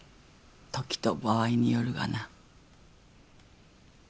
時と場合によるがな。